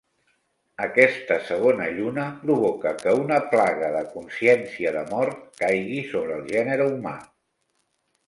Aquesta segona lluna provoca que una "plaga de consciència de mort" caigui sobre el gènere humà.